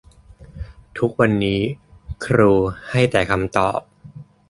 ทุกวันนี้ครูให้แต่คำตอบ